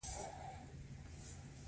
ټول کارمندان د سهار غونډې کې ګډون کوي.